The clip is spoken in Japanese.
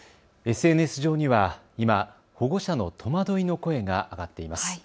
ＳＮＳ上には今、保護者の戸惑いの声が上がっています。